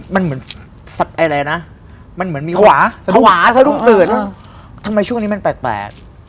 มันเหมือนสัตว์อะไรนะมันเหมือนมีขวาสะดุ้งตื่นทำไมช่วงนี้มันแปลก